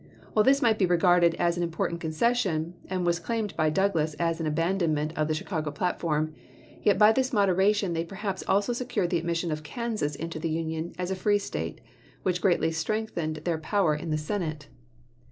While this might be regarded as an important concession, and was claimed by Douglas as an abandonment of the Chicago platform, yet by this moderation they perhaps also secured the admission of Kansas into the Union as a free State, which greatly strength ened their power in the Senate.